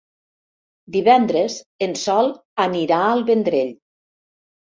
Divendres en Sol anirà al Vendrell.